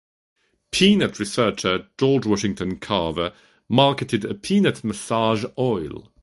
Peanut researcher George Washington Carver marketed a peanut massage oil.